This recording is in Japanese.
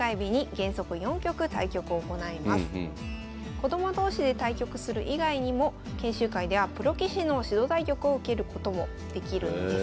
子ども同士で対局する以外にも研修会ではプロ棋士の指導対局を受けることもできるんです。